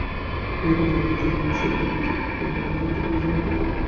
বিগত প্রায় দুই যুগে বিশ্ব অর্থনীতির সঙ্গে বাংলাদেশের অর্থনীতির সম্পৃক্ততা জোরদার হয়েছে।